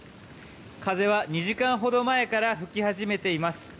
風は２時間ほど前から吹き始めています。